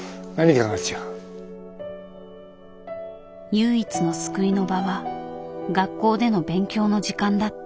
唯一の救いの場は学校での勉強の時間だった。